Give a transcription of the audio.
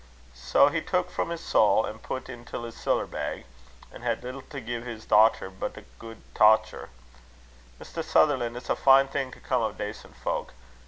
Sae he took frae his soul, and pat intill his siller bag, an' had little to gie his dochter but a guid tocher. Mr. Sutherlan', it's a fine thing to come o' dacent fowk.